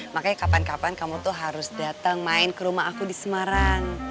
makanya kapan kapan kamu tuh harus datang main ke rumah aku di semarang